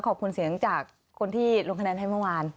ขอบคุณเสียงจากคนที่ลงคะแนนให้เมื่อวาน